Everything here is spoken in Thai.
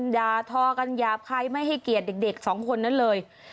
ยาทอกันยาใครไม่ให้เกียรติเด็ก๒คนนั้นเลย